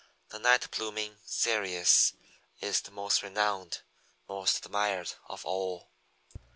The Night blooming Cereus is most renowned, most admired of all.